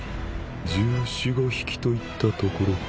１４１５匹といったところか。